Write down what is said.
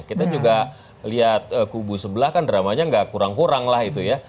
kita juga lihat kubu sebelah kan dramanya nggak kurang kurang lah itu ya